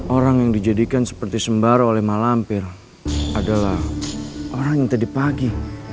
orang yang dijadikan seperti sembaro oleh malampir adalah orang yang tadi pagi